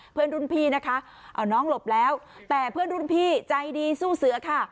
เพื่อนรุ่นพี่นะคะเอาน้องหลบแล้วแต่เพื่อนรุ่นพี่ใจดีสู้เสือค่ะ